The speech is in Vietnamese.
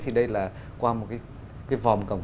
thì đây là qua một cái vòng cổng